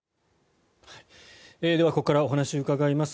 ここからお話をお伺いします。